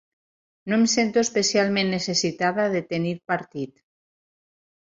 No em sento especialment necessitada de tenir partit.